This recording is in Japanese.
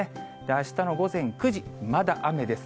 あしたの午前９時、まだ雨です。